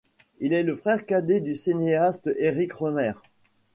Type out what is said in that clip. Il est le frère cadet du cinéaste Éric Rohmer.